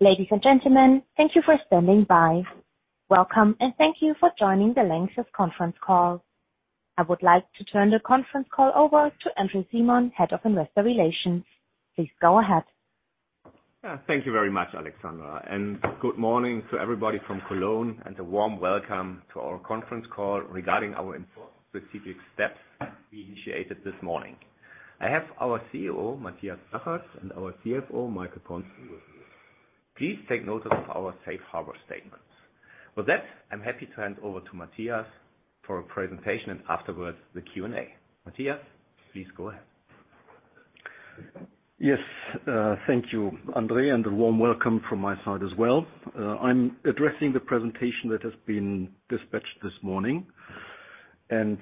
Ladies and gentlemen, thank you for standing by. Welcome, and thank you for joining the LANXESS Conference Call. I would like to turn the conference call over to André Simon, Head of Investor Relations. Please go ahead. Thank you very much, Alexandra, and good morning to everybody from Cologne, and a warm welcome to our conference call regarding our important specific steps we initiated this morning. I have our CEO, Matthias Zachert, and our CFO, Michael Pontzen, with me. Please take notice of our safe harbor statements. With that, I'm happy to hand over to Matthias for a presentation, and afterwards the Q&A. Matthias, please go ahead. Yes. Thank you, André, and a warm welcome from my side as well. I'm addressing the presentation that has been dispatched this morning. Let's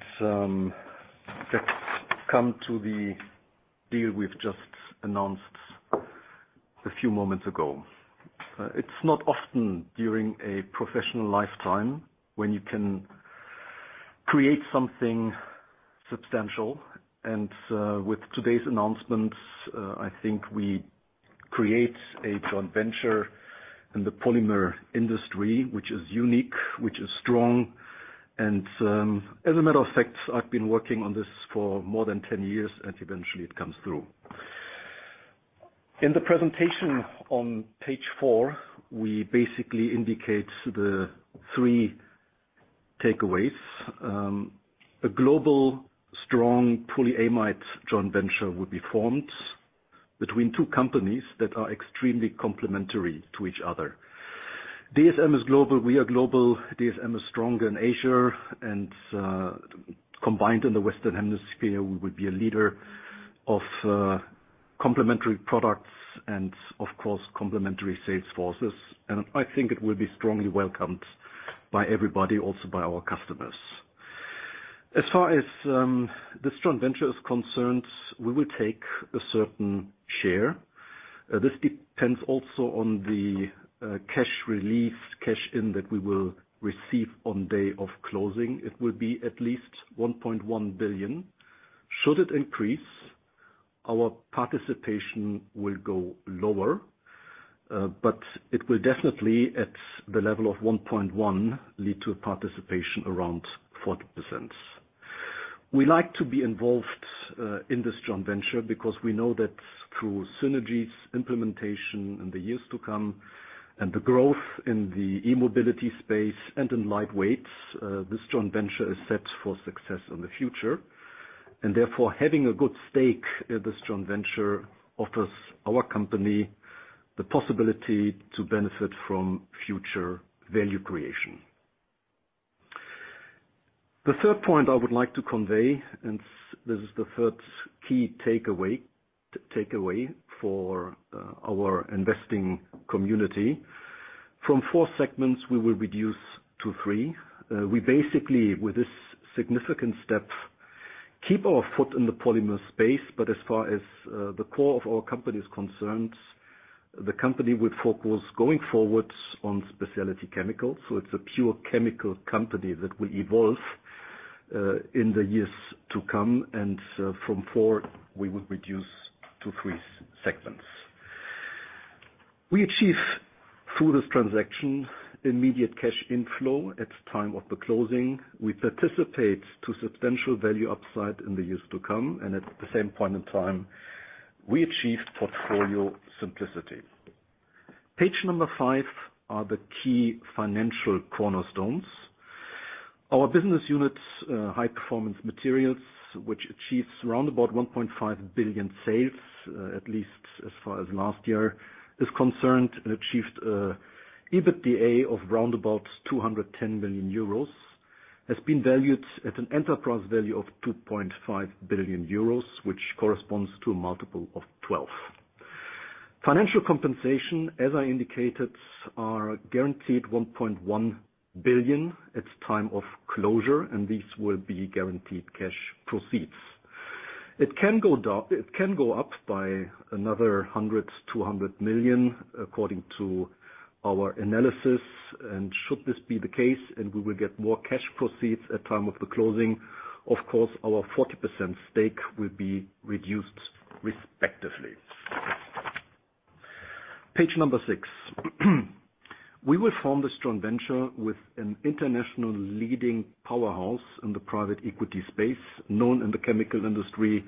come to the deal we've just announced a few moments ago. It's not often during a professional lifetime when you can create something substantial. With today's announcements, I think we create a joint venture in the polymer industry, which is unique, which is strong, and, as a matter of fact, I've been working on this for more than 10 years, and eventually it comes through. In the presentation on page four, we basically indicate the three takeaways. A global strong polyamide joint venture will be formed between two companies that are extremely complementary to each other. DSM is global. We are global. DSM is stronger in Asia. Combined in the Western Hemisphere, we would be a leader of complementary products and of course, complementary sales forces. I think it will be strongly welcomed by everybody, also by our customers. As far as this joint venture is concerned, we will take a certain share. This depends also on the cash release, cash-in that we will receive on day of closing. It will be at least 1.1 billion. Should it increase, our participation will go lower, but it will definitely, at the level of 1.1, lead to a participation around 40%. We like to be involved in this joint venture because we know that through synergies, implementation in the years to come, and the growth in the e-mobility space and in lightweights, this joint venture is set for success in the future. Therefore, having a good stake in this joint venture offers our company the possibility to benefit from future value creation. The third point I would like to convey, and this is the third key takeaway for our investing community. From four segments we will reduce to three. We basically, with this significant step, keep our foot in the polymer space. As far as the core of our company is concerned, the company will focus going forward on specialty chemicals. It's a pure chemical company that will evolve in the years to come. From four, we will reduce to three segments. We achieve, through this transaction, immediate cash inflow at time of the closing. We anticipate to substantial value upside in the years to come. At the same point in time, we achieved portfolio simplicity. Page number five are the key financial cornerstones. Our business units, high performance materials, which achieves around about 1.5 billion sales, at least as far as last year is concerned. It achieved EBITDA of around 210 million euros, has been valued at an enterprise value of 2.5 billion euros, which corresponds to a 12x multiple. Financial compensation, as I indicated, are guaranteed 1.1 billion at time of closure, and these will be guaranteed cash proceeds. It can go up by another 100 million, 200 million according to our analysis. Should this be the case, we will get more cash proceeds at time of the closing, of course, our 40% stake will be reduced respectively. Page number six. We will form this joint venture with an international leading powerhouse in the private equity space, known in the chemical industry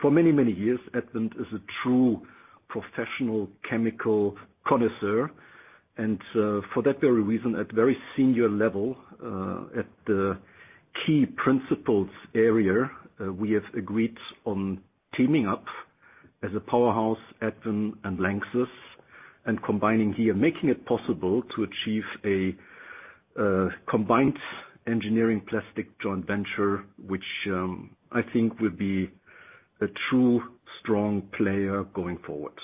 for many, many years. Advent is a true professional chemical connoisseur. For that very reason, at very senior level, at the key principals area, we have agreed on teaming up as a powerhouse, Advent and LANXESS, and combining here, making it possible to achieve a combined engineering plastics joint venture, which I think will be a true strong player going forward.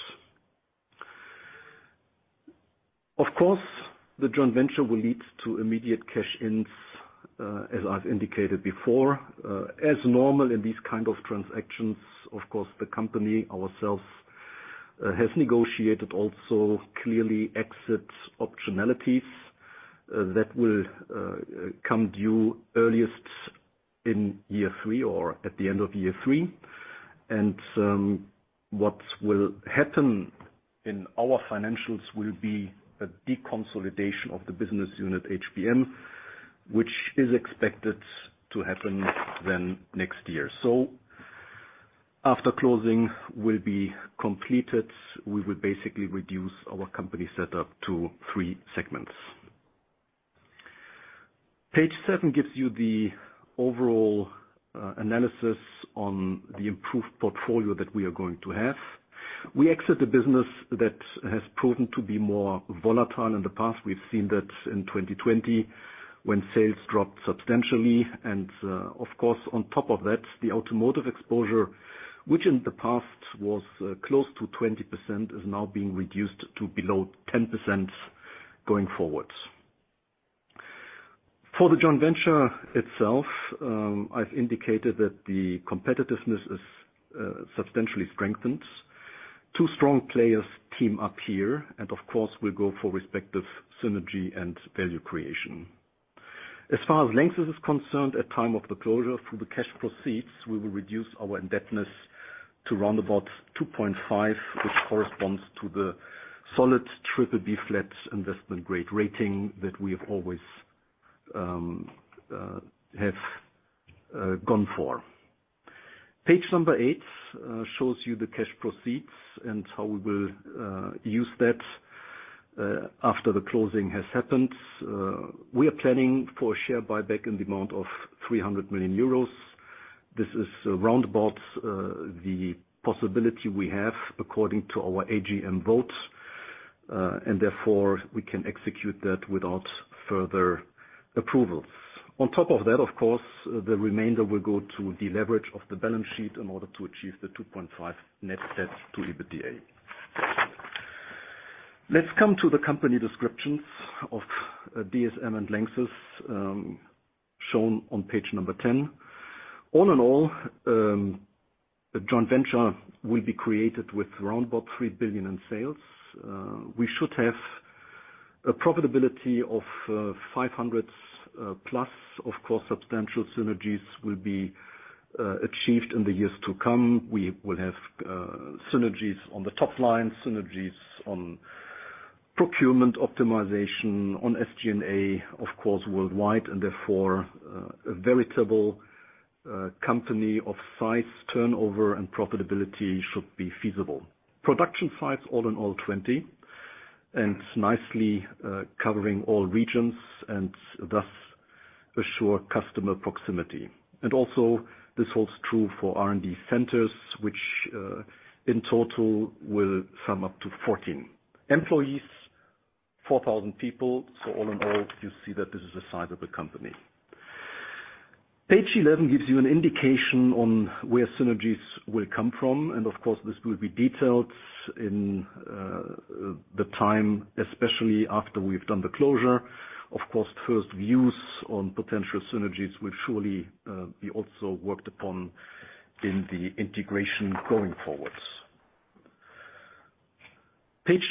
Of course, the joint venture will lead to immediate cash-ins, as I've indicated before. As normal in these kind of transactions, of course, the company ourselves has negotiated also clearly exit optionalities. That will come due earliest in year three or at the end of year three. What will happen in our financials will be a deconsolidation of the business unit HPM, which is expected to happen then next year. After closing will be completed, we will basically reduce our company setup to three segments. Page seven gives you the overall analysis on the improved portfolio that we are going to have. We exit the business that has proven to be more volatile in the past. We've seen that in 2020 when sales dropped substantially. Of course, on top of that, the automotive exposure, which in the past was close to 20%, is now being reduced to below 10% going forward. For the joint venture itself, I've indicated that the competitiveness is substantially strengthened. Two strong players team up here and of course, will go for respective synergy and value creation. As far as LANXESS is concerned, at time of the closure through the cash proceeds, we will reduce our indebtedness to round about 2.5, which corresponds to the solid BBB flat investment grade rating that we have always gone for. Page eight shows you the cash proceeds and how we will use that after the closing has happened. We are planning for a share buyback in the amount of 300 million euros. This is round about the possibility we have according to our AGM vote, and therefore we can execute that without further approvals. On top of that, of course, the remainder will go to deleverage of the balance sheet in order to achieve the 2.5 net debt to EBITDA. Let's come to the company descriptions of DSM and LANXESS, shown on page 10. All in all, a joint venture will be created with round about 3 billion in sales. We should have a profitability of 500+. Of course, substantial synergies will be achieved in the years to come. We will have synergies on the top line, synergies on procurement optimization, on SG&A, of course, worldwide. Therefore a veritable company of size, turnover, and profitability should be feasible. Production sites all in all 20 and nicely covering all regions and thus assure customer proximity. Also this holds true for R&D centers, which in total will sum up to 14. Employees, 4,000 people. All in all, you see that this is the size of the company. Page 11 gives you an indication on where synergies will come from. Of course, this will be detailed in the time, especially after we've done the closure. Of course, first views on potential synergies will surely be also worked upon in the integration going forward.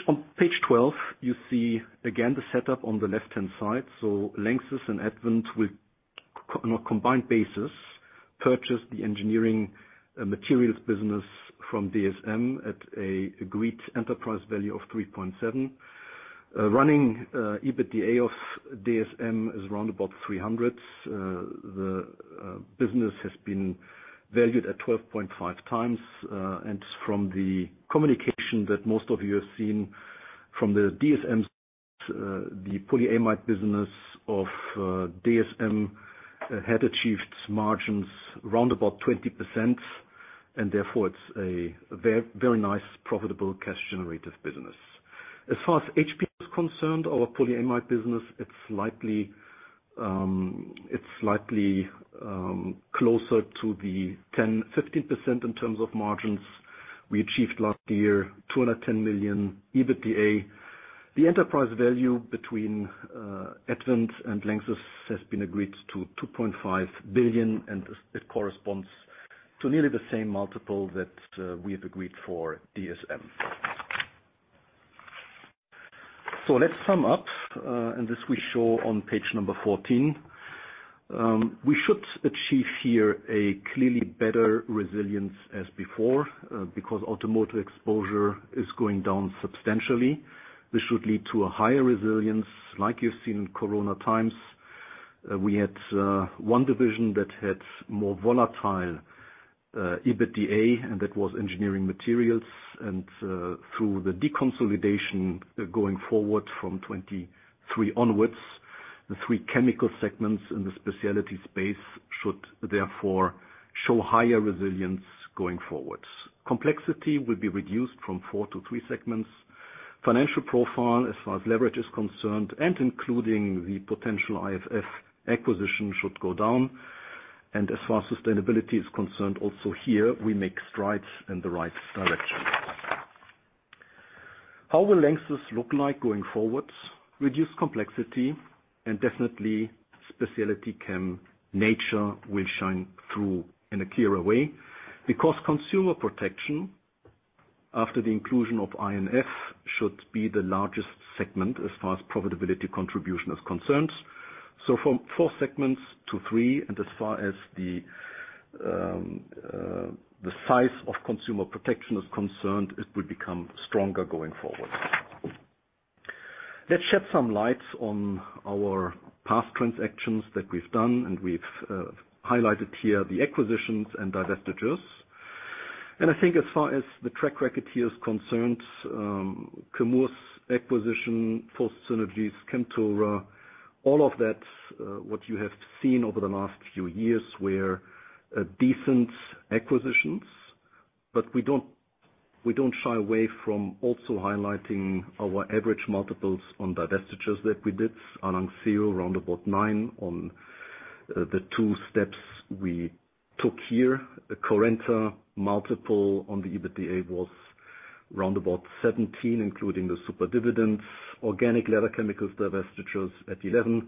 On page 12, you see again the setup on the left-hand side. LANXESS and Advent will on a combined basis purchase the engineering materials business from DSM at an agreed enterprise value of 3.7. Running EBITDA of DSM is around 300. The business has been valued at 12.5x. And from the communication that most of you have seen from DSM, the polyamide business of DSM had achieved margins around 20% and therefore it's a very nice profitable cash generative business. As far as HPM is concerned, our polyamide business, it's slightly closer to the 10%-15% in terms of margins. We achieved last year 210 million EBITDA. The enterprise value between Advent and LANXESS has been agreed to 2.5 billion, and it corresponds to nearly the same multiple that we have agreed for DSM. Let's sum up, and this we show on page 14. We should achieve here a clearly better resilience as before, because automotive exposure is going down substantially. This should lead to a higher resilience like you've seen in Corona times. We had one division that had more volatile EBITDA, and that was engineering materials. Through the deconsolidation going forward from 2023 onwards, the three chemical segments in the specialty space should therefore show higher resilience going forward. Complexity will be reduced from four to three segments. Financial profile as far as leverage is concerned and including the potential IFF acquisition should go down. As far as sustainability is concerned, also here we make strides in the right direction. How will LANXESS look like going forward? Reduce complexity and definitely specialty chem nature will shine through in a clearer way. Because Consumer Protection after the inclusion of IFF should be the largest segment as far as profitability contribution is concerned. From four segments to three, and as far as the size of Consumer Protection is concerned, it will become stronger going forward. Let's shed some light on our past transactions that we've done, and we've highlighted here the acquisitions and divestitures. I think as far as the track record here is concerned, Chemtura acquisition, full synergies, Chemtura, all of that, what you have seen over the last few years were decent acquisitions. We don't shy away from also highlighting our average multiples on divestitures that we did. LANXESS around about 9x on the two steps we took here. The Currenta multiple on the EBITDA was around about 17x, including the super dividends. Organic leather chemicals divestitures at 11x.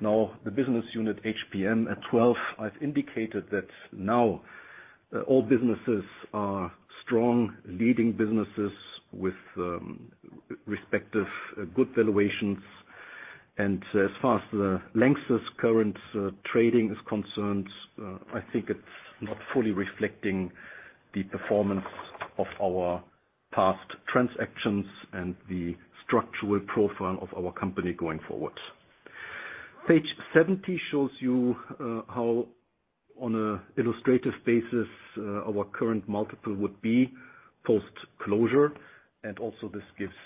Now, the business unit HPM at 12x. I've indicated that now all businesses are strong, leading businesses with respective good valuations. I think as far as the LANXESS current trading is concerned, I think it's not fully reflecting the performance of our past transactions and the structural profile of our company going forward. Page 70 shows you how on an illustrative basis our current multiple would be post-closure. This also gives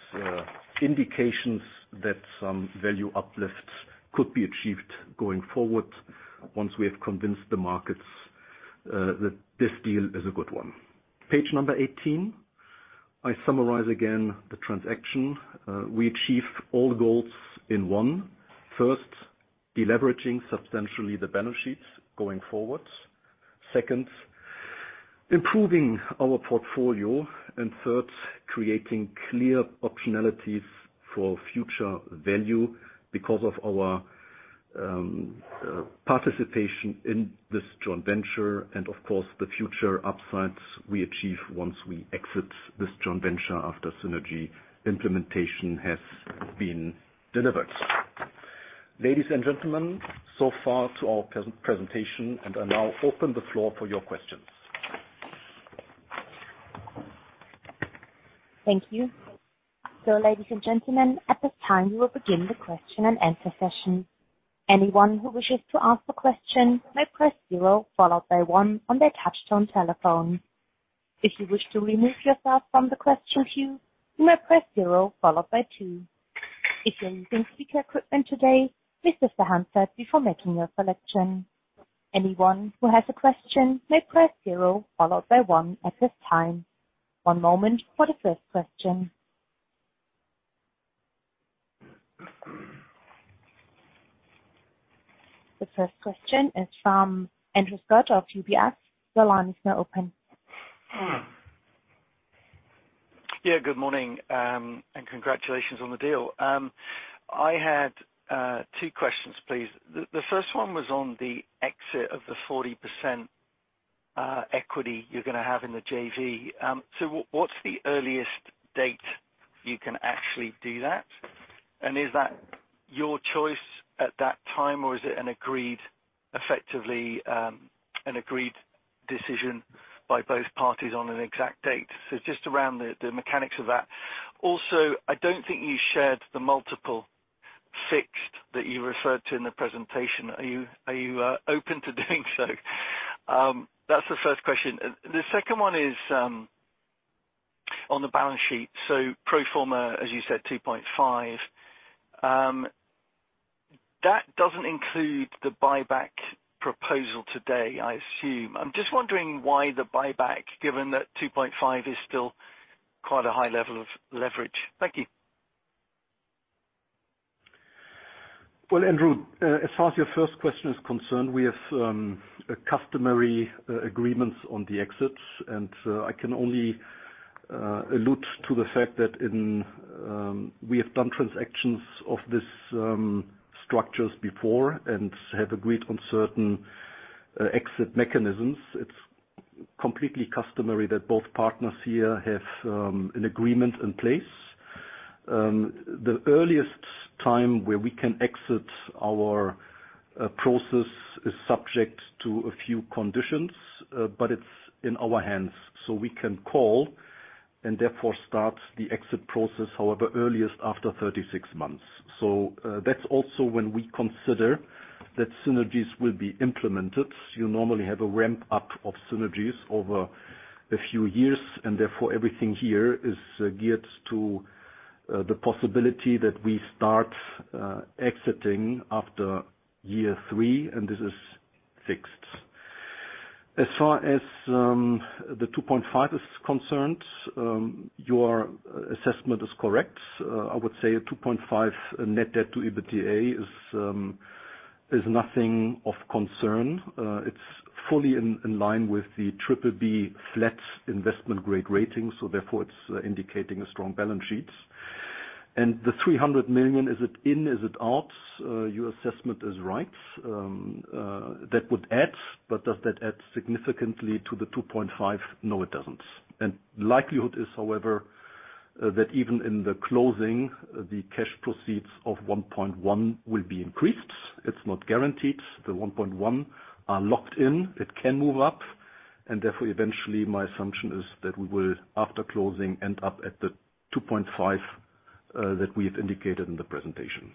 indications that some value uplifts could be achieved going forward once we have convinced the markets that this deal is a good one. Page number 18, I summarize again the transaction. We achieve all goals in one. First, deleveraging substantially the balance sheets going forward. Second, improving our portfolio. Third, creating clear optionalities for future value because of our participation in this joint venture and of course, the future upsides we achieve once we exit this joint venture after synergy implementation has been delivered. Ladies and gentlemen, so far to our presentation, and I now open the floor for your questions. Thank you. Ladies and gentlemen, at this time, we will begin the question-and-answer session. Anyone who wishes to ask a question may press zero followed by one on their touchtone telephone. If you wish to remove yourself from the question queue, you may press zero followed by two. If you're using speaker equipment today, please lift the handset before making your selection. Anyone who has a question may press zero followed by one at this time. One moment for the first question. The first question is from Andrew Stott of UBS. Your line is now open. Yeah, good morning, and congratulations on the deal. I had two questions, please. The first one was on the exit of the 40% equity you're gonna have in the JV. What's the earliest date you can actually do that? Is that your choice at that time, or is it an agreed, effectively, an agreed decision by both parties on an exact date? Just around the mechanics of that. Also, I don't think you shared the fixed multiple that you referred to in the presentation. Are you open to doing so? That's the first question. The second one is on the balance sheet. Pro forma, as you said, 2.5. That doesn't include the buyback proposal today, I assume. I'm just wondering why the buyback, given that 2.5 is still quite a high level of leverage. Thank you. Well, Andrew, as far as your first question is concerned, we have customary agreements on the exits, and I can only allude to the fact that we have done transactions of this structures before and have agreed on certain exit mechanisms. It's completely customary that both partners here have an agreement in place. The earliest time where we can exit our process is subject to a few conditions, but it's in our hands. We can call and therefore start the exit process, however earliest, after 36 months. That's also when we consider that synergies will be implemented. You normally have a ramp-up of synergies over a few years, and therefore, everything here is geared to the possibility that we start exiting after year three, and this is fixed. As far as the 2.5 is concerned, your assessment is correct. I would say a 2.5 net debt to EBITDA is nothing of concern. It's fully in line with the BBB flat investment grade rating, so therefore it's indicating a strong balance sheet. The 300 million, is it in, is it out? Your assessment is right. That would add, but does that add significantly to the 2.5? No, it doesn't. Likelihood is, however, that even in the closing, the cash proceeds of 1.1 billion will be increased. It's not guaranteed. The 1.1 billion are locked in, it can move up, and therefore, eventually my assumption is that we will after closing end up at the 2.5 that we have indicated in the presentation.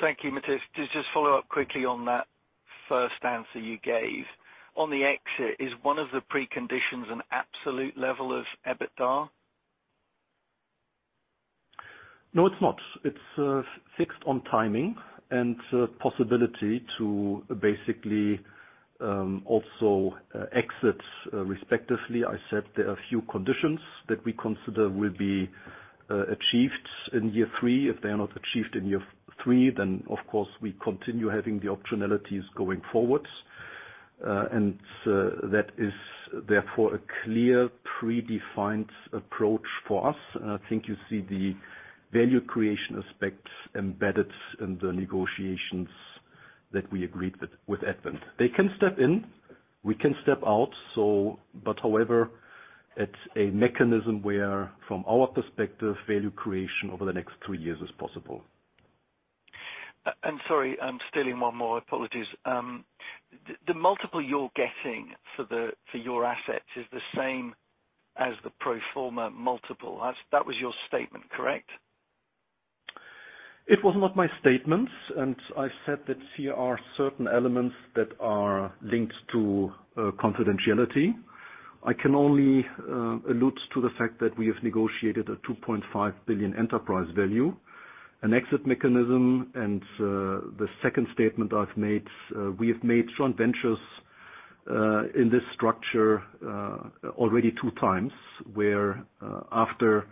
Thank you, Matthias. To just follow up quickly on that first answer you gave. On the exit, is one of the preconditions an absolute level of EBITDA? No, it's not. It's fixed on timing and possibility to basically also exit respectively. I said there are a few conditions that we consider will be achieved in year three. If they are not achieved in year three, then of course, we continue having the optionalities going forward. That is therefore a clear predefined approach for us. I think you see the value creation aspect embedded in the negotiations that we agreed with Advent. They can step in, we can step out. But however, it's a mechanism where from our perspective, value creation over the next three years is possible. Sorry, I'm stealing one more. Apologies. The multiple you're getting for your assets is the same as the pro forma multiple. That was your statement, correct? It was not my statement, and I said that here are certain elements that are linked to confidentiality. I can only allude to the fact that we have negotiated a 2.5 billion enterprise value, an exit mechanism. The second statement I've made, we have made joint ventures in this structure already two times, where after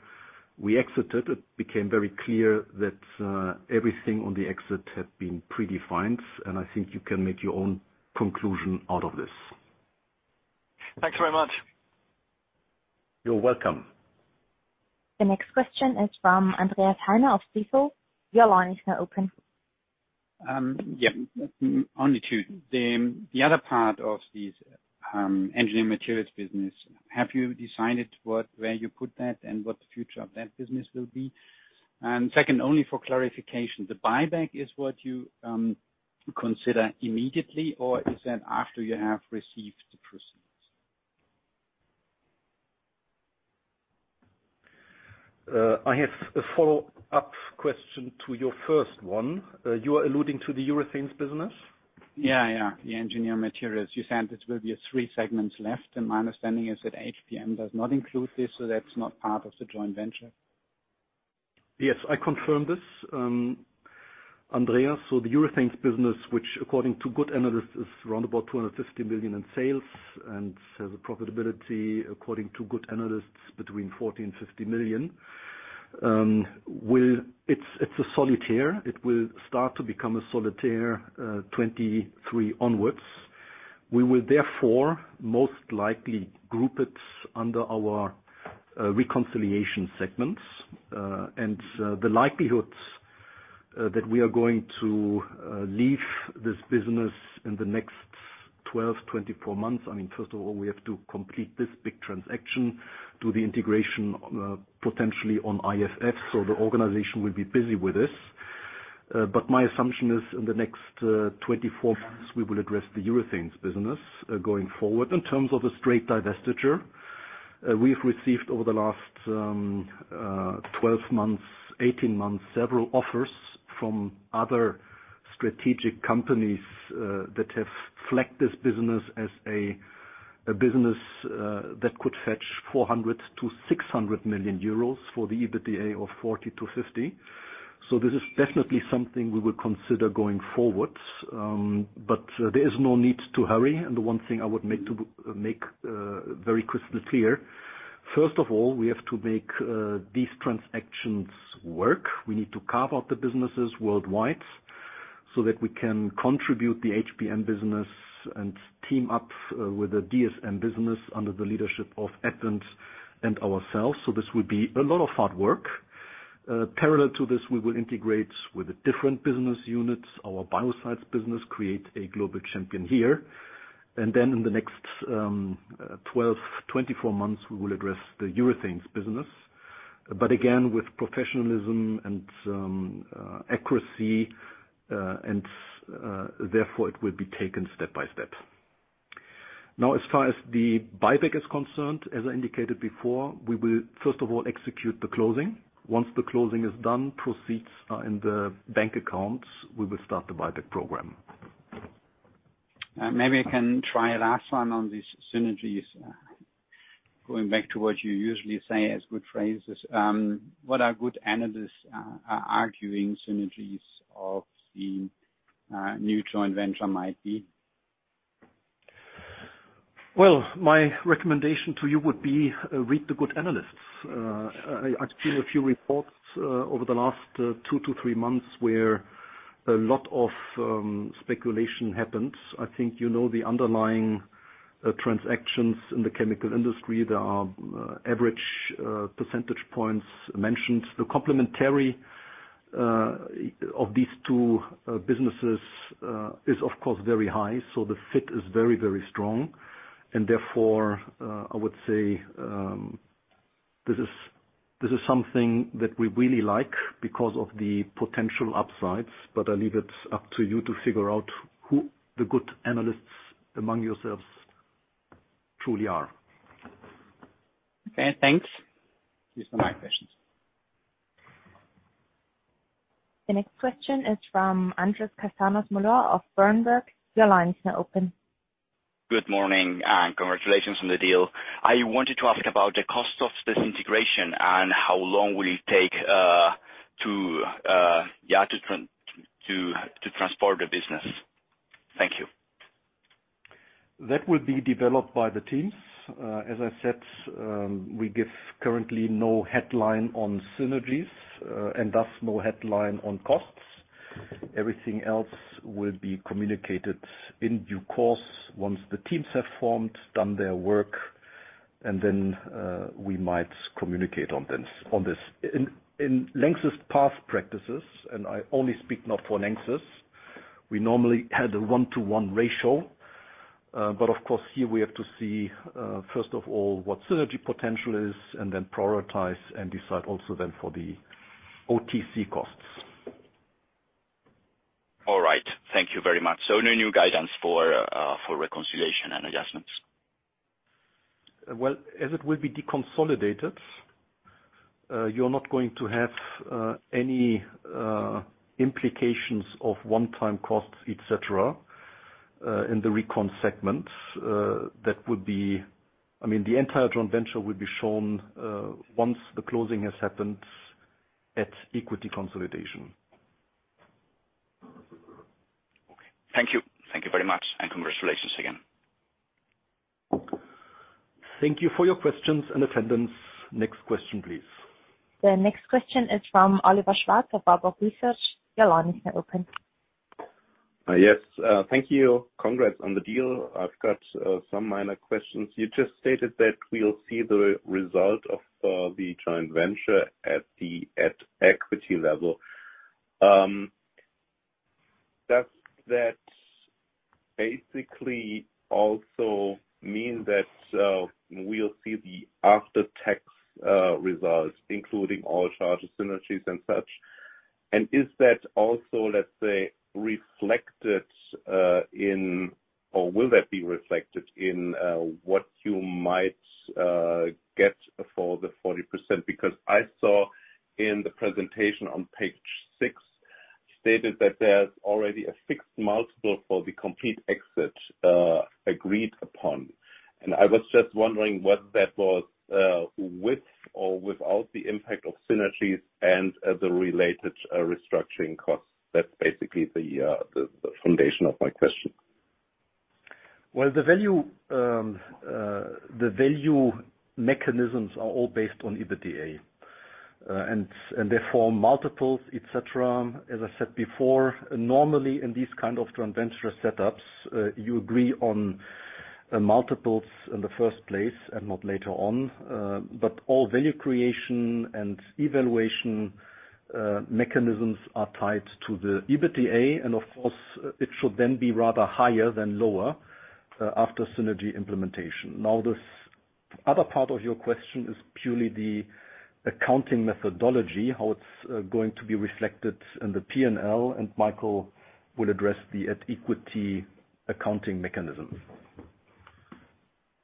we exited, it became very clear that everything on the exit had been predefined. I think you can make your own conclusion out of this. Thanks very much. You're welcome. The next question is from Andreas Heine of Stifel. Your line is now open. Yeah. Only two. The other part of this engineering materials business, have you decided where you put that and what the future of that business will be? Second, only for clarification, the buyback is what you consider immediately, or is that after you have received the proceeds? I have a follow-up question to your first one. You are alluding to the Urethane business? Yeah, yeah, the engineering materials. You said this will be a three segments left, and my understanding is that HPM does not include this, so that's not part of the joint venture. Yes, I confirm this, Andreas. The urethanes business, which according to good analysts is around 250 million in sales and has a profitability, according to good analysts, between 40 million and 50 million, it's a satellite. It will start to become a satellite 2023 onwards. We will therefore most likely group it under our reconciliation segments. The likelihoods that we are going to leave this business in the next 12, 24 months. I mean, first of all, we have to complete this big transaction, do the integration, potentially on IFF, so the organization will be busy with this. My assumption is in the next 24 months, we will address the Urethane's business going forward. In terms of a straight divestiture, we have received over the last 12 months, 18 months, several offers from other strategic companies that have flagged this business as a business that could fetch 400 million-600 million euros for the EBITDA of 40-50. This is definitely something we will consider going forward. There is no need to hurry. The one thing I would make very crystal clear, first of all, we have to make these transactions work. We need to carve out the businesses worldwide so that we can contribute the HPM business and team up with the DSM business under the leadership of Advent and ourselves. This will be a lot of hard work. Parallel to this, we will integrate with the different business units, our biocides business, create a global champion here. Then in the next 12, 24 months, we will address the Urethane Systems business. Again, with professionalism and accuracy, and therefore, it will be taken step by step. Now, as far as the buyback is concerned, as I indicated before, we will first of all execute the closing. Once the closing is done, proceeds are in the bank accounts, we will start the buyback program. Maybe I can try a last one on these synergies. Going back to what you usually say as good phrases, what are good analysts arguing synergies of the new joint venture might be? Well, my recommendation to you would be, read the good analysts. I've seen a few reports over the last 2-3 months where a lot of speculation happens. I think you know the underlying transactions in the chemical industry. There are average percentage points mentioned. The complementarity of these two businesses is of course very high, so the fit is very, very strong. Therefore, I would say this is something that we really like because of the potential upsides, but I leave it up to you to figure out who the good analysts among yourselves truly are. Okay, thanks. Those were my questions. The next question is from Andres Castanos-Mollor of Berenberg. Your line is now open. Good morning, and congratulations on the deal. I wanted to ask about the cost of this integration and how long will it take to transport the business. Thank you. That will be developed by the teams. As I said, we give currently no headline on synergies, and thus no headline on costs. Everything else will be communicated in due course once the teams have formed, done their work, and then, we might communicate on this. In LANXESS past practices, and I only speak now for LANXESS, we normally had a one-to-one ratio. Of course, here we have to see, first of all, what synergy potential is and then prioritize and decide also then for the OTC costs. All right. Thank you very much. No new guidance for reconciliation and adjustments? Well, as it will be deconsolidated, you're not going to have any implications of one-time costs, et cetera, in the recon segment. I mean, the entire joint venture will be shown once the closing has happened at equity consolidation. Okay. Thank you. Thank you very much, and congratulations again. Thank you for your questions and attendance. Next question, please. The next question is from Oliver Schwarz of Warburg Research. Your line is now open. Yes. Thank you. Congrats on the deal. I've got some minor questions. You just stated that we'll see the result of the joint venture at equity level. Does that basically also mean that we'll see the after-tax results, including all charges, synergies and such? Is that also, let's say, reflected in or will that be reflected in what you might get for the 40%? Because I saw in the presentation on page 6, stated that there's already a fixed multiple for the complete exit agreed upon. I was just wondering whether that was with or without the impact of synergies and the related restructuring costs. That's basically the foundation of my question. Well, the value mechanisms are all based on EBITDA. Therefore multiples, et cetera, as I said before, normally in these kind of joint venture setups, you agree on the multiples in the first place and not later on. All value creation and evaluation mechanisms are tied to the EBITDA. Of course, it should then be rather higher than lower after synergy implementation. Now, this other part of your question is purely the accounting methodology, how it's going to be reflected in the P&L, and Michael will address the at equity accounting mechanism.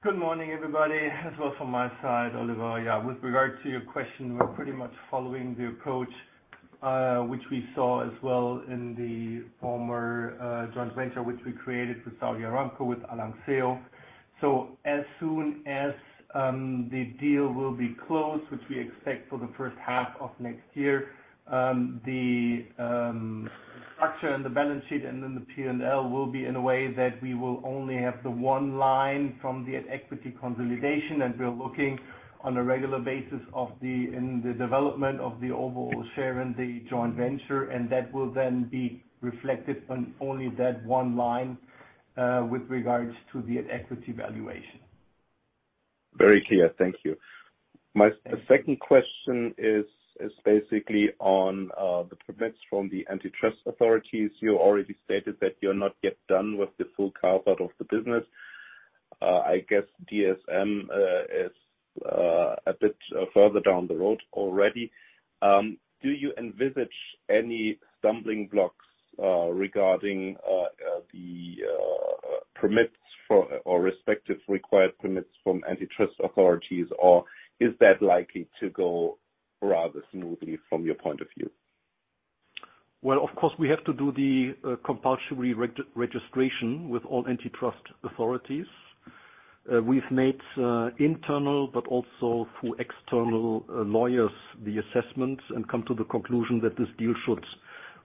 Good morning, everybody, as well from my side, Oliver. Yeah, with regard to your question, we're pretty much following the approach, which we saw as well in the former joint venture, which we created with Saudi Aramco, with ARLANXEO. As soon as the deal will be closed, which we expect for the first half of next year, the structure and the balance sheet and then the P&L will be in a way that we will only have the one line from the at equity consolidation. We're looking on a regular basis into the development of the overall share in the joint venture, and that will then be reflected on only that one line, with regards to the equity valuation. Very clear. Thank you. My second question is basically on the permits from the antitrust authorities. You already stated that you're not yet done with the full carve-out of the business. I guess DSM is a bit further down the road already. Do you envisage any stumbling blocks regarding the permits for or respective required permits from antitrust authorities, or is that likely to go rather smoothly from your point of view? Well, of course, we have to do the compulsory registration with all antitrust authorities. We've made internal but also through external lawyers the assessment and come to the conclusion that this deal should,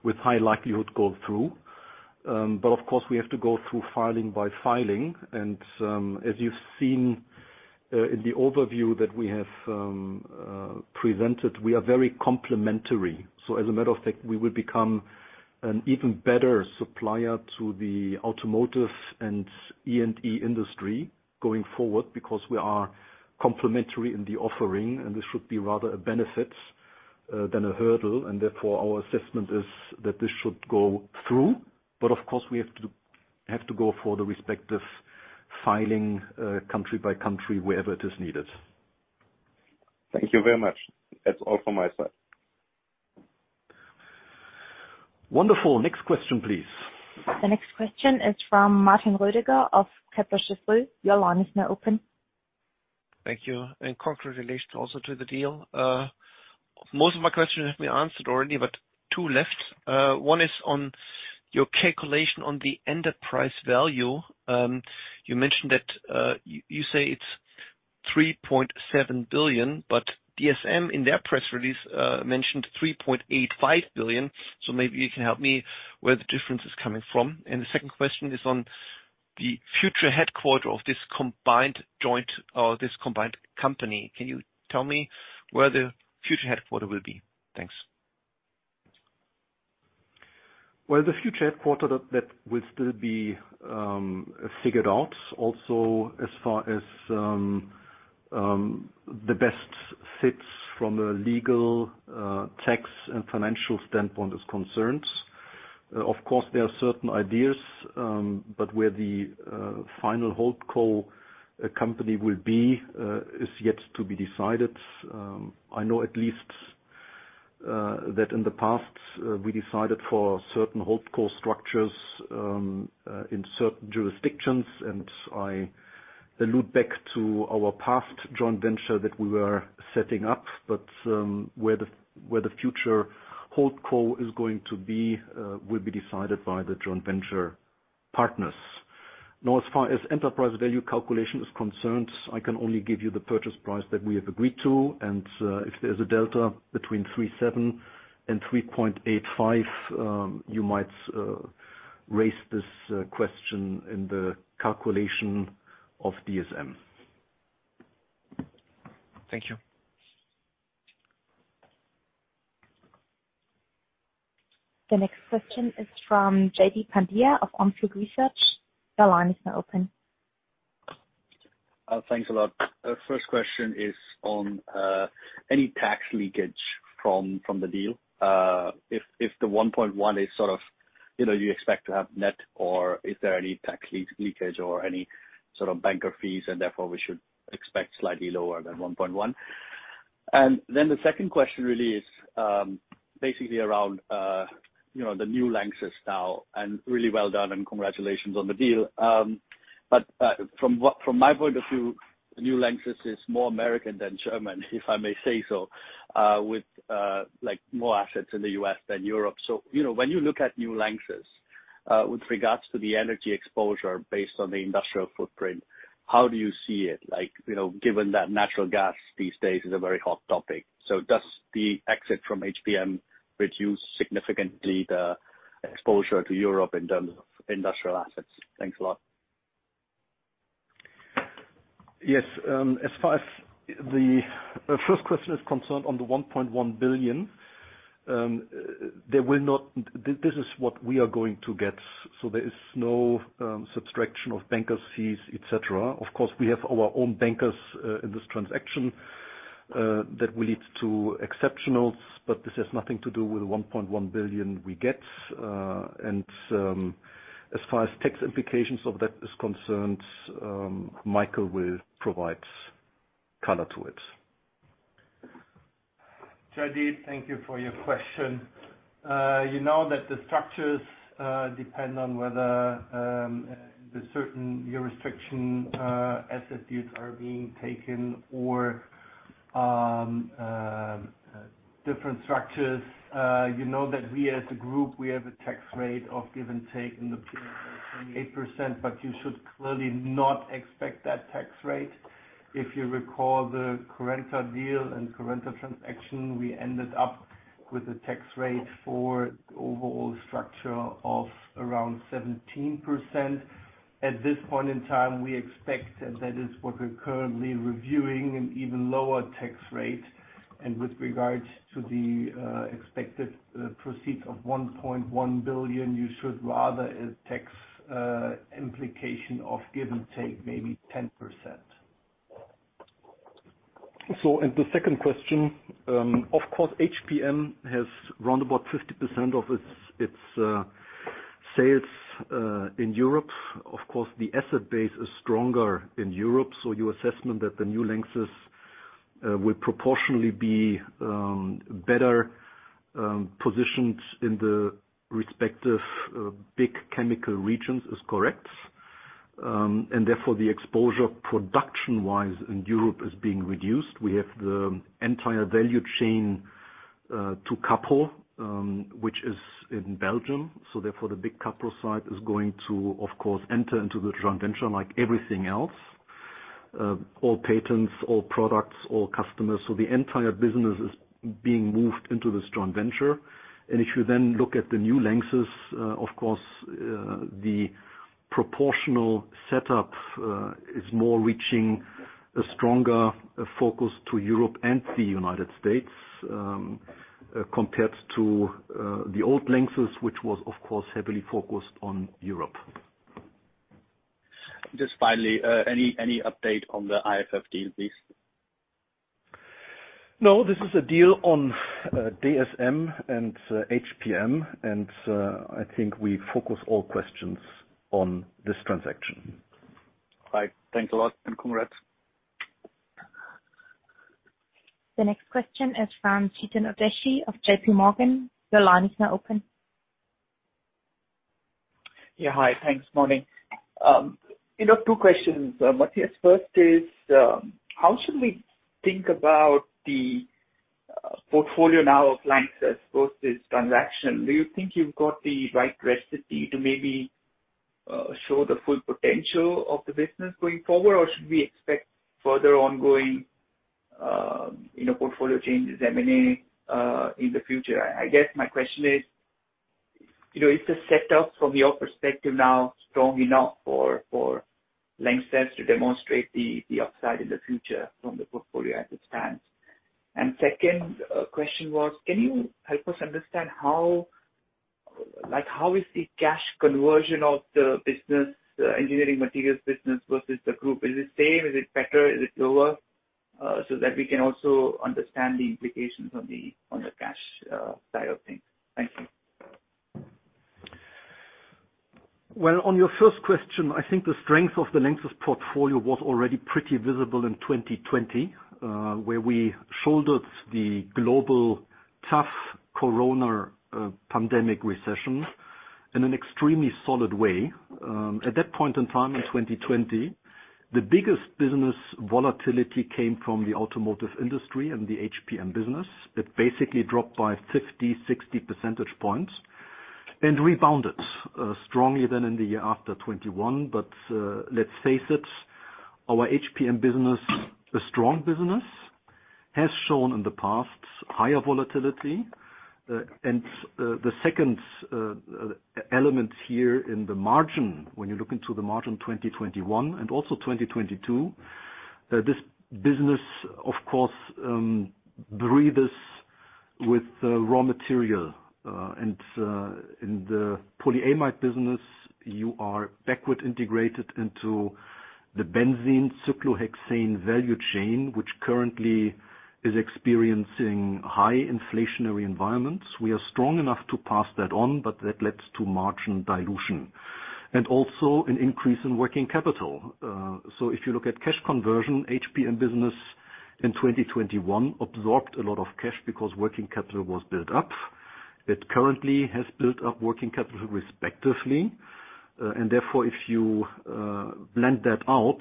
with high likelihood, go through. Of course, we have to go through filing by filing. As you've seen in the overview that we have presented, we are very complementary. As a matter of fact, we will become an even better supplier to the automotive and E&E industry going forward because we are complementary in the offering, and this should be rather a benefit than a hurdle. Therefore, our assessment is that this should go through. Of course, we have to go for the respective filing country by country, wherever it is needed. Thank you very much. That's all from my side. Wonderful. Next question, please. The next question is from Martin Roediger of Kepler Cheuvreux. Your line is now open. Thank you. In concrete relation also to the deal. Most of my questions have been answered already, but two left. One is on your calculation on the enterprise value. You mentioned that you say it's 3.7 billion, but DSM in their press release mentioned 3.85 billion. Maybe you can help me where the difference is coming from. The second question is on the future headquarters of this combined joint or this combined company. Can you tell me where the future headquarters will be? Thanks. Well, the future headquarters that will still be figured out also as far as the best fit from a legal, tax and financial standpoint is concerned. Of course, there are certain ideas, but where the final HoldCo company will be is yet to be decided. I know at least that in the past we decided for certain HoldCo structures in certain jurisdictions, and I allude back to our past joint venture that we were setting up. Where the future HoldCo is going to be will be decided by the joint venture partners. Now, as far as enterprise value calculation is concerned, I can only give you the purchase price that we have agreed to. If there's a delta between 3.7 and 3.85, you might raise this question in the calculation of DSM. Thank you. The next question is from Jaideep Pandya of On Field Investment Research. Your line is now open. Thanks a lot. The first question is on any tax leakage from the deal. If 1.1 is sort of, you know, you expect to have net or is there any tax leakage or any sort of banker fees, and therefore we should expect slightly lower than 1.1. Then the second question really is basically around, you know, the new LANXESS now and really well done and congratulations on the deal. But from my point of view, new LANXESS is more American than German, if I may say so, with like more assets in the US than Europe. You know, when you look at new LANXESS with regards to the energy exposure based on the industrial footprint, how do you see it? Like, you know, given that natural gas these days is a very hot topic. Does the exit from HPM reduce significantly the exposure to Europe in terms of industrial assets? Thanks a lot. Yes. As far as the first question is concerned, on the 1.1 billion, this is what we are going to get. There is no subtraction of banker fees, et cetera. Of course, we have our own bankers in this transaction that will lead to exceptionals, but this has nothing to do with the 1.1 billion we get. As far as tax implications of that is concerned, Michael will provide color to it. Jaideep, thank you for your question. You know that the structures depend on whether the certain jurisdiction attributes are being taken or different structures. You know that we as a group, we have a tax rate of give and take in the 28%, but you should clearly not expect that tax rate. If you recall the Currenta deal and Currenta transaction, we ended up with a tax rate for overall structure of around 17%. At this point in time, we expect, and that is what we're currently reviewing, an even lower tax rate. With regards to the expected proceeds of 1.1 billion, you should rather a tax implication of give and take maybe 10%. The second question, of course, HPM has about 50% of its sales in Europe. Of course, the asset base is stronger in Europe. Your assessment that the new LANXESS will proportionally be better positioned in the respective big chemical regions is correct. Therefore, the exposure production-wise in Europe is being reduced. We have the entire value chain to caprolactam, which is in Belgium. Therefore, the big caprolactam site is going to, of course, enter into the joint venture like everything else. All patents, all products, all customers. The entire business is being moved into this joint venture. If you then look at the new LANXESS, of course, the proportional setup is more reaching a stronger focus to Europe and the United States, compared to the old LANXESS, which was, of course, heavily focused on Europe. Just finally, any update on the IFF deal, please? No, this is a deal on DSM and HPM, and so I think we focus all questions on this transaction. All right. Thanks a lot, and congrats. The next question is from Chetan Udeshi of JP Morgan. Your line is now open. Yeah. Hi. Thanks. Morning. You know, two questions, Matthias. First is, how should we think about the portfolio now of LANXESS versus transaction? Do you think you've got the right recipe to maybe show the full potential of the business going forward, or should we expect further ongoing, you know, portfolio changes, M&A, in the future? I guess my question is, you know, is the setup from your perspective now strong enough for LANXESS to demonstrate the upside in the future from the portfolio as it stands? Second question was, can you help us understand how like how is the cash conversion of the business, the engineering materials business versus the group? Is it same, is it better, is it lower? So that we can also understand the implications on the cash side of things. Thank you. Well, on your first question, I think the strength of the LANXESS portfolio was already pretty visible in 2020, where we shouldered the global tough corona pandemic recession in an extremely solid way. At that point in time in 2020, the biggest business volatility came from the automotive industry and the HPM business. It basically dropped by 50-60 percentage points and rebounded strongly then in the year after, 2021. Let's face it, our HPM business, a strong business, has shown in the past higher volatility. The second element here in the margin, when you look into the margin 2021 and also 2022, this business, of course, breathes with raw material. In the polyamide business, you are backward integrated into the benzene/cyclohexane value chain, which currently is experiencing high inflationary environments. We are strong enough to pass that on, but that leads to margin dilution. Also an increase in working capital. If you look at cash conversion, HPM business in 2021 absorbed a lot of cash because working capital was built up. It currently has built up working capital respectively. And therefore, if you lend that out,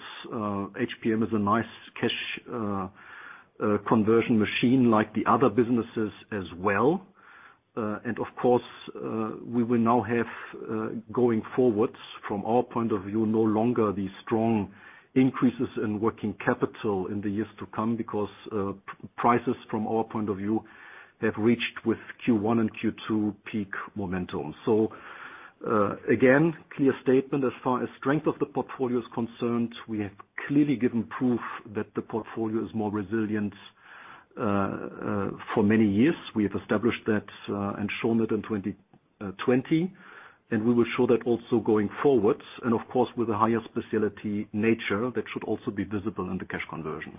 HPM is a nice cash conversion machine like the other businesses as well. And of course, we will now have, going forward, from our point of view, no longer the strong increases in working capital in the years to come because prices from our point of view have reached with Q1 and Q2 peak momentum. Again, clear statement. As far as strength of the portfolio is concerned, we have clearly given proof that the portfolio is more resilient for many years. We have established that, and shown it in 2020, and we will show that also going forward. Of course, with a higher specialty nature, that should also be visible in the cash conversion.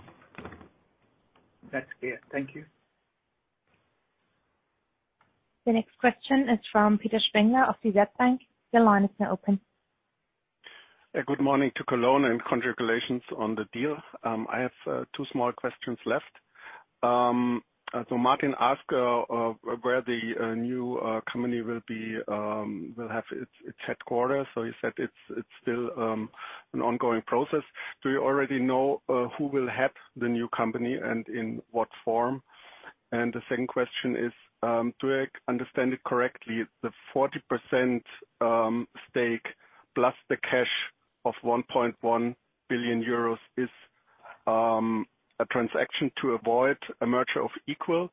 That's clear. Thank you. The next question is from Peter Spengler of DZ Bank. Your line is now open. Yeah. Good morning to Cologne, and congratulations on the deal. I have two small questions left. Martin asked where the new company will have its headquarters. You said it's still an ongoing process. Do you already know who will head the new company and in what form? The second question is, do I understand it correctly, the 40% stake plus the cash of 1.1 billion euros is a transaction to avoid a merger of equals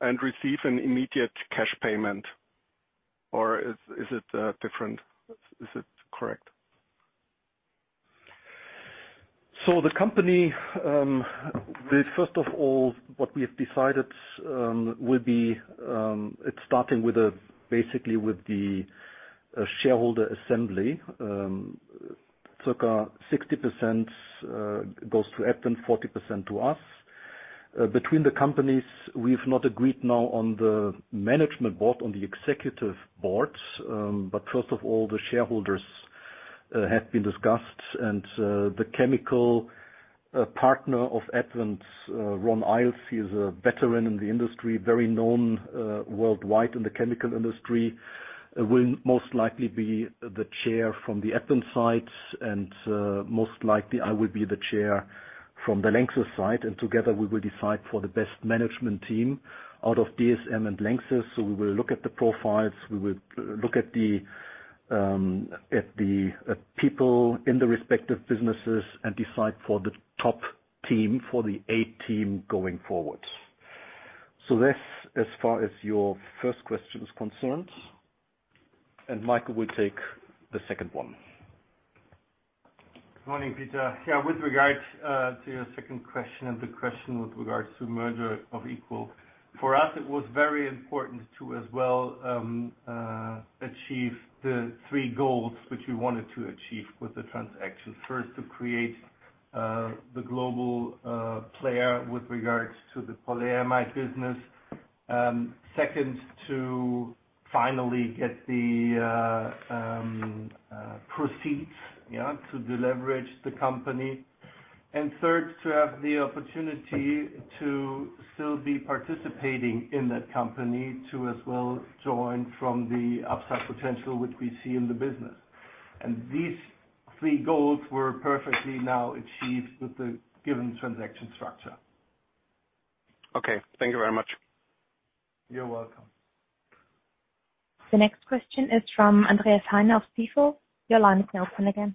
and receive an immediate cash payment? Or is it different? Is it correct? The company, first of all, what we have decided will be starting with basically the shareholder assembly. Circa 60% goes to Advent, 40% to us. Between the companies, we've not agreed now on the management board, on the executive board, but first of all, the shareholders have been discussed. The chemical partner of Advent, Ronald Ayles, he is a veteran in the industry, very known worldwide in the chemical industry, will most likely be the chair from the Advent side. Most likely, I will be the chair from the LANXESS side. Together, we will decide for the best management team out of DSM and LANXESS. We will look at the profiles, we will look at the people in the respective businesses and decide for the top team, for the A team going forward. That's as far as your first question is concerned. Michael will take the second one. Morning, Peter. With regard to your second question and the question with regards to merger of equals. For us, it was very important, as well, to achieve the three goals which we wanted to achieve with the transaction. First, to create the global player with regards to the polyamide business. Second, to finally get the proceeds, yeah, to deleverage the company. Third, to have the opportunity to still be participating in that company to, as well, benefit from the upside potential which we see in the business. These three goals were perfectly now achieved with the given transaction structure. Okay. Thank you very much. You're welcome. The next question is from Andreas Heine of Stifel. Your line is now open again.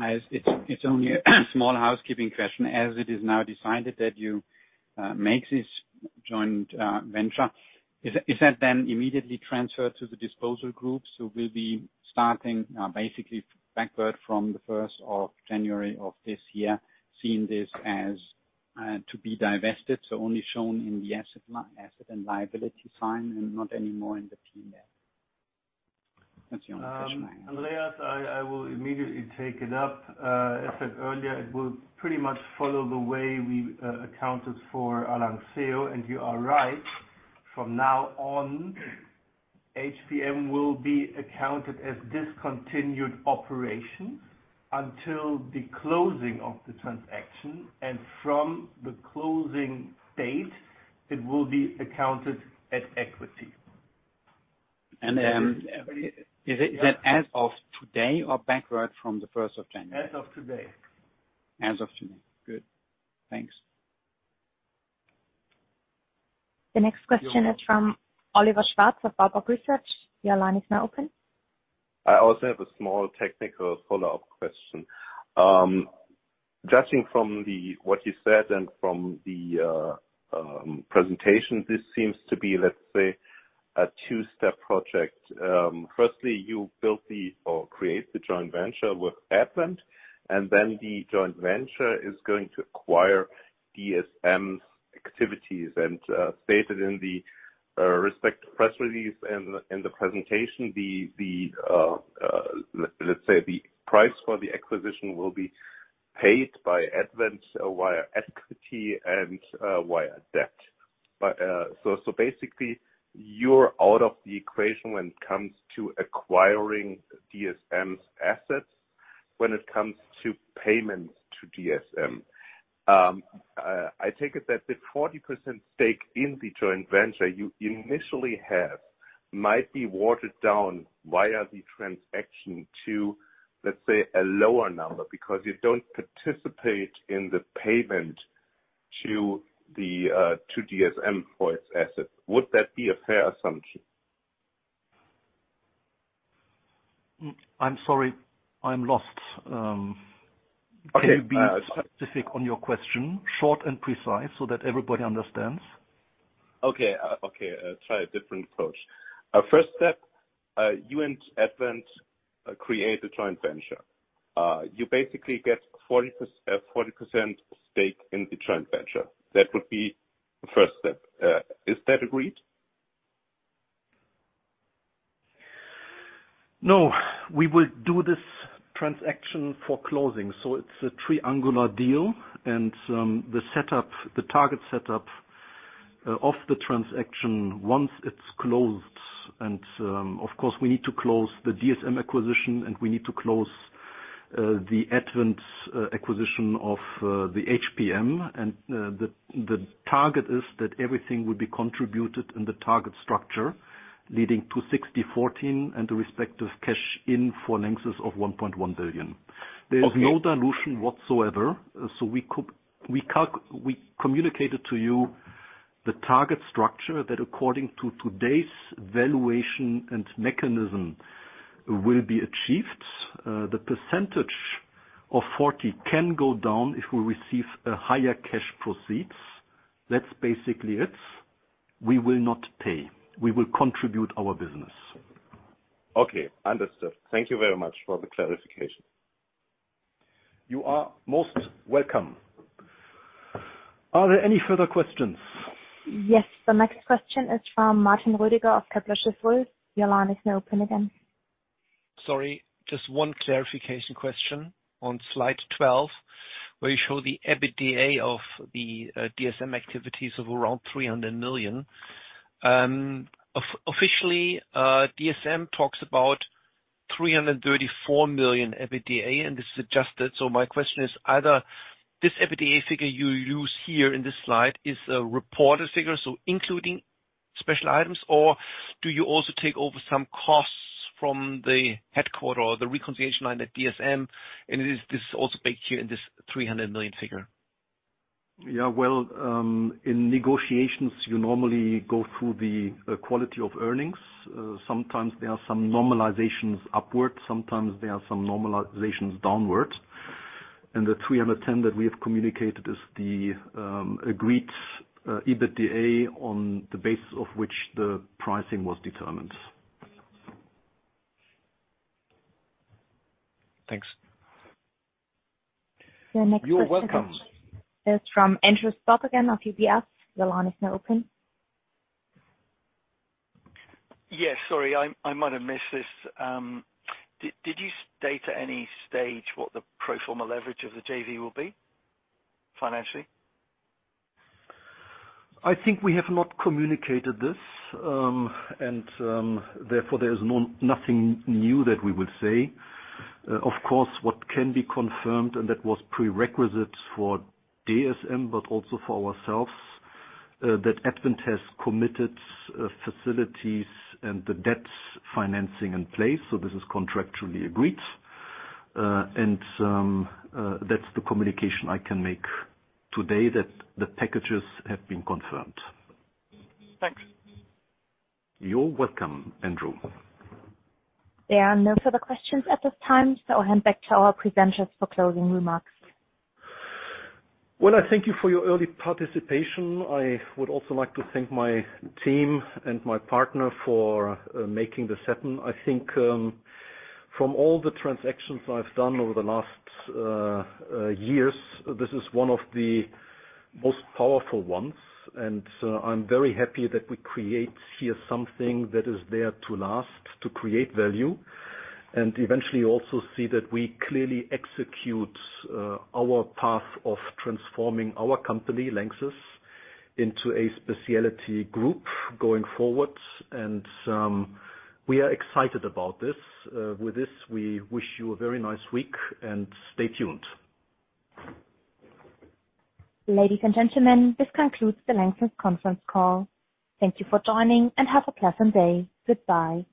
Hi. It's only a small housekeeping question. As it is now decided that you make this joint venture, is that then immediately transferred to the disposal group? We'll be starting basically backward from the first of January of this year, seeing this as to be divested, so only shown in the asset and liability side and not anymore in the P&L. That's the only question I have. Andreas, I will immediately take it up. As said earlier, it will pretty much follow the way we accounted for ARLANXEO. You are right. From now on, HPM will be accounted as discontinued operation until the closing of the transaction. From the closing date, it will be accounted at equity. Is that as of today or backward from the first of January? As of today. As of today. Good. Thanks. The next question is from Oliver Schwarz of Warburg Research. Your line is now open. I also have a small technical follow-up question. Judging from what you said and from the presentation, this seems to be, let's say, a two-step project. Firstly, you create the joint venture with Advent, and then the joint venture is going to acquire DSM's activities. Stated in the respective press release and the presentation, let's say, the price for the acquisition will be paid by Advent via equity and via debt. So basically, you're out of the equation when it comes to acquiring DSM's assets, when it comes to payments to DSM. I take it that the 40% stake in the joint venture you initially have might be watered down via the transaction to, let's say, a lower number because you don't participate in the payment to DSM for its assets. Would that be a fair assumption? Mm-hmm, I'm sorry, I'm lost. Okay. Can you be specific on your question, short and precise so that everybody understands? Okay. Okay. I'll try a different approach. First step, you and Advent create a joint venture. You basically get 40% stake in the joint venture. That would be the first step. Is that agreed? No. We will do this transaction for closing. It's a triangular deal. The setup, the target setup, of the transaction once it's closed and, of course, we need to close the DSM acquisition, and we need to close the Advent's acquisition of the HPM. The target is that everything will be contributed in the target structure leading to 60/40 and the respective cash in for LANXESS of 1.1 billion. Okay. There is no dilution whatsoever. We communicated to you the target structure that according to today's valuation and mechanism will be achieved. The percentage of 40 can go down if we receive higher cash proceeds. That's basically it. We will not pay. We will contribute our business. Okay. Understood. Thank you very much for the clarification. You are most welcome. Are there any further questions? Yes. The next question is from Martin Roediger of Kepler Cheuvreux. Your line is now open again. Sorry, just one clarification question. On slide 12, where you show the EBITDA of the DSM activities of around 300 million. Officially, DSM talks about 334 million EBITDA, and this is adjusted. My question is either this EBITDA figure you use here in this slide is a reported figure, so including special items? Or do you also take over some costs from the headquarters or the reconciliation line at DSM, and this is also baked here in this 300 million figure? Well, in negotiations, you normally go through the quality of earnings. Sometimes there are some normalizations upward, sometimes there are some normalizations downwards. The 310 that we have communicated is the agreed EBITDA on the basis of which the pricing was determined. Thanks. You're welcome. The next question is from Andrew Stott of UBS. Your line is now open. Yes. Sorry, I might have missed this. Did you state at any stage what the pro forma leverage of the JV will be financially? I think we have not communicated this. Therefore, there's nothing new that we would say. Of course, what can be confirmed, and that was prerequisite for DSM, but also for ourselves, that Advent has committed facilities and the debt financing in place. This is contractually agreed. That's the communication I can make today that the packages have been confirmed. Thanks. You're welcome, Andrew. There are no further questions at this time. I'll hand back to our presenters for closing remarks. Well, I thank you for your early participation. I would also like to thank my team and my partner for making this happen. I think, from all the transactions I've done over the last years, this is one of the most powerful ones. I'm very happy that we create here something that is there to last, to create value. Eventually you also see that we clearly execute our path of transforming our company, LANXESS, into a specialty group going forward. We are excited about this. With this, we wish you a very nice week, and stay tuned. Ladies and gentlemen, this concludes the LANXESS conference call. Thank you for joining, and have a pleasant day. Goodbye.